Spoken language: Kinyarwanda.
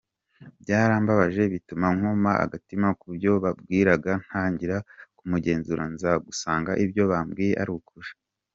Byarambaje bituma nkoma agatima kubyo babwiraga ntangira kumugenzura nzagusanga ibyo bambwiye ari ukuri.